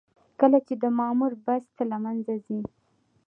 کله چې د مامور بست له منځه ځي.